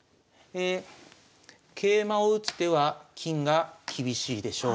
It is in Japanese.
桂馬を打つ手は金が厳しいでしょう。